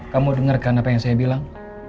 kamu denger kan apa yang saya bilang